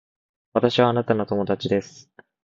私はあなたの友達です